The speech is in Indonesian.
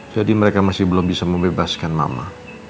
jadi mereka masih belum bisa membebaskan mama